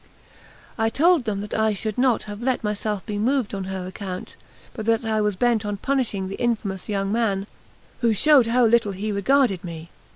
I told them that I should not have let myself be moved on her account, but that I was bent on punishing the infamous young man, who showed how little he regarded me.